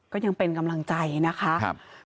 ก็ยังเป็นกำลังใจนะคะ